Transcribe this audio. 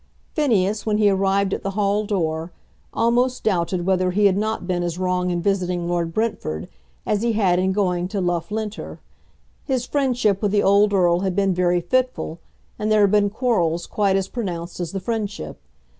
Phineas, when he arrived at the hall door, almost doubted whether he had not been as wrong in visiting Lord Brentford as he had in going to Loughlinter. His friendship with the old Earl had been very fitful, and there had been quarrels quite as pronounced as the friendship.